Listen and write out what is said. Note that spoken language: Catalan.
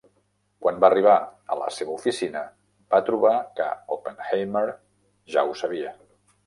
Quan va arribar a la seva oficina, va trobar que Oppenheimer ja ho sabia.